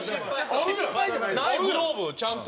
グローブちゃんと。